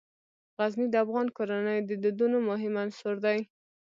غزني د افغان کورنیو د دودونو مهم عنصر دی.